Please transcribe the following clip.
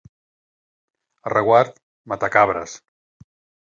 A Reguard, matacabres.